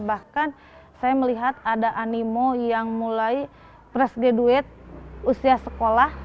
bahkan saya melihat ada animo yang mulai press graduate usia sekolah